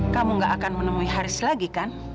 kamu gak akan menemui haris lagi kan